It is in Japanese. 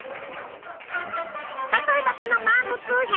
例えばこのバウムクーヘン。